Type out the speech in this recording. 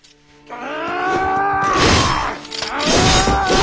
あ！